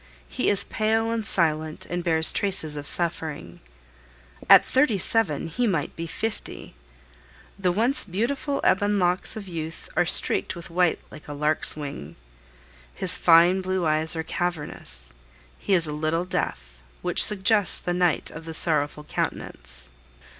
He is pale and silent, and bears traces of suffering. At thirty seven he might be fifty. The once beautiful ebon locks of youth are streaked with white like a lark's wing. His fine blue eyes are cavernous; he is a little deaf, which suggests the Knight of the Sorrowful Countenance.